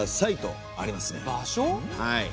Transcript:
はい。